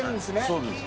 そうです。